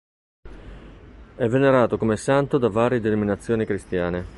È venerato come santo da varie denominazioni cristiane.